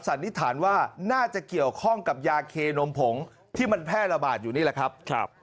สันนิษฐานว่าน่าจะเกี่ยวข้องกับยาเคนมผงที่มันแพร่ระบาดอยู่นี่แหละครับ